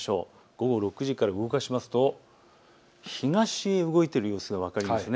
午後６時から動かしますと東へ動いている様子が分かります。